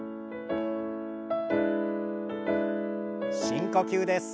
深呼吸です。